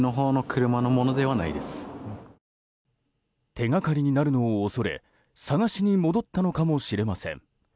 手がかりになるのを恐れ探しに戻ったのかもしれません。